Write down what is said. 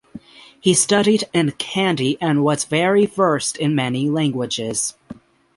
He studied in Kandy and was very versed in many languages.